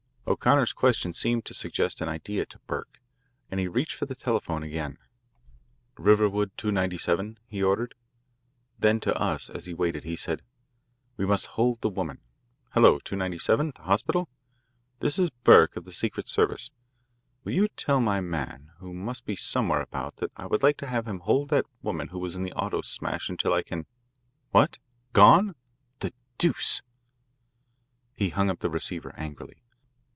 O'Connor's question seemed to suggest an idea to Burke, and he reached for the telephone again. "Riverwood 297," he ordered; then to us as he waited he said: "We must hold the woman. Hello, 297? The hospital? This is Burke of the secret service. Will you tell my man, who must be somewhere about, that I would like to have him hold that woman who was in the auto smash until I can what? Gone? The deuce!" He hung up the receiver angrily.